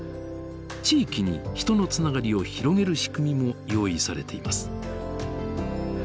地域に人のつながりを広げる仕組みも用意されています。